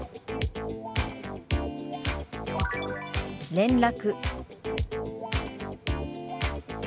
「連絡」。